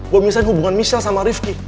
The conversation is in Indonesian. gue unggahin hubungan michelle sama rifqi